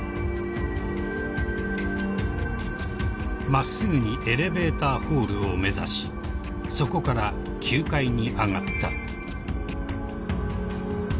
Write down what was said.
［真っすぐにエレベーターホールを目指しそこから９階に上がった］